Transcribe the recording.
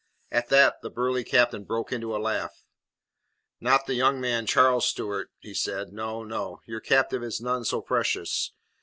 At that the burly captain broke into a laugh. "Not the young man Charles Stuart," said he; "no, no. Your captive is none so precious.